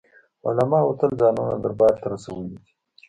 علماوو تل ځانونه دربار ته رسولي دي.